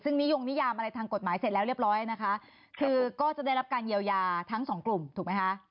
ซึ่งนิยงนิยามอะไรทางกฎหมายเสร็จแล้วเรียบร้อยนะคะคือก็จะได้รับการเยียวยาทั้งสองกลุ่มถูกไหมคะ